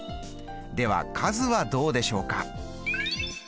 では数はどうでしょうか。